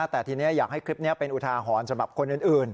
แต่ทีนี้อยากให้คลิปนี้เป็นอุทาหรณ์สำหรับคนอื่น